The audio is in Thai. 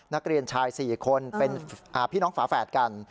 นักเรียนชาย๔คนเป็นพี่น้องฝาแฝดกัน